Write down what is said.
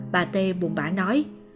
bà tê buồn bã nói